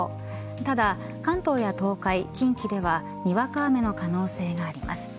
ただ、関東や東海、近畿ではにわか雨の可能性があります。